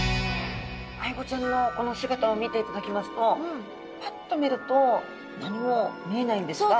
アイゴちゃんのこの姿を見ていただきますとパッと見ると何も見えないんですが。